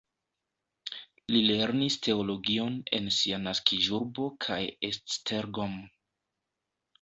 Li lernis teologion en sia naskiĝurbo kaj Esztergom.